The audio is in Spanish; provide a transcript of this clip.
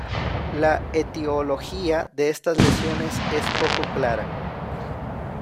La etiología de estas lesiones es poco clara.